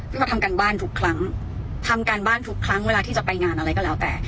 เราทำการบ้านทุกครั้งทำการบ้านทุกครั้งเวลาที่จะไปงานอะไรก็แล้วแต่